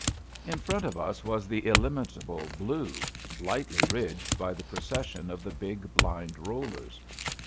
In front of us was the illimitable blue, lightly ridged by the procession of the big blind rollers.